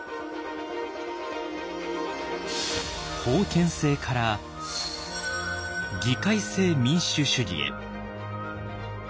封建制から議会制民主主義へ。